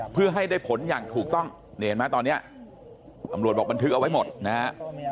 เพื่อให้ได้ผลอย่างถูกต้องนี่เห็นไหมตอนนี้ตำรวจบอกบันทึกเอาไว้หมดนะฮะ